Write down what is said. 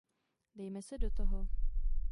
Dejme se do toho.